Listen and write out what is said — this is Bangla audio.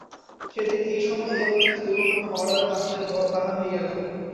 সেদিন এই সময়ে এই অবস্থায় দৈবক্রমে হরলালের মাস্টারি বাহাল হইয়া গেল।